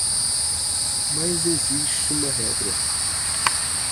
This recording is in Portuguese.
Mas existe uma regra